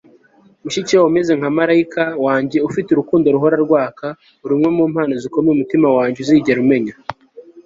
mushikiwabo, umeze nka marayika wanjye, ufite urukundo ruhora rwaka. uri imwe mu mpano zikomeye umutima wanjye uzigera umenya